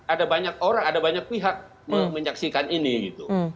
ada banyak orang ada banyak pihak menyaksikan ini gitu